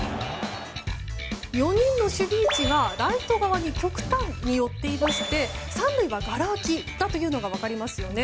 ４人の守備位置がライト側に極端に寄っていまして３塁はがら空きだというのが分かりますよね。